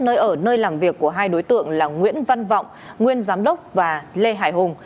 nơi ở nơi làm việc của hai đối tượng là nguyễn văn vọng nguyên giám đốc và lê hải hùng